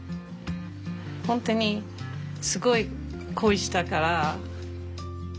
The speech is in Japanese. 本当にすごい恋したから。